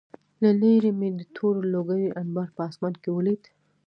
له لېرې مې د تورو لوګیو انبار په آسمان کې ولید